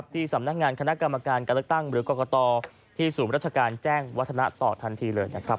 ที่สำนักงานคณะกรรมการการตั้งหรือกรกตที่ศูนย์รัชการแจ้งวัฒนาต่อทันที